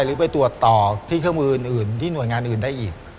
หรือไปตรวจต่อที่เครื่องมืออื่นที่หน่วยงานอื่นได้อีก